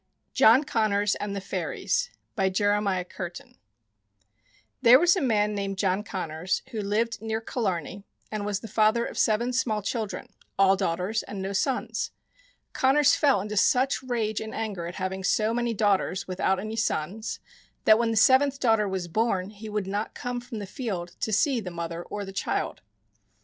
gan as follows :( 6 ) JOHN CONNORS AND THE FAIRIES There was a man named John Connors, who lived near Killarney, and was the father of seven small children, all daughters and no sons. Connors fell into such rage and anger at having so many daughters, without any sons, that when the seventh daughter was born he would not come from the field to see the mother or the child.